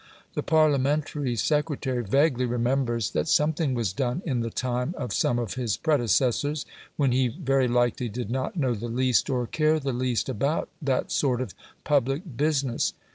The Parliamentary secretary vaguely remembers that something was done in the time of some of his predecessors, when he very likely did not know the least or care the least about that sort of public business.